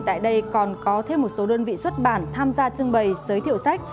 tại đây còn có thêm một số đơn vị xuất bản tham gia trưng bày giới thiệu sách